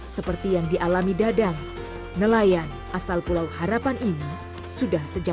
seperti lebar lebar itu subur